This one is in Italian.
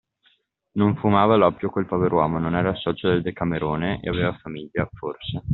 Non fumava l'oppio quel pover'uomo, non era socio del Decamerone, e aveva famiglia, forse.